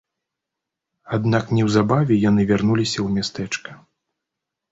Аднак неўзабаве яны вярнуліся ў мястэчка.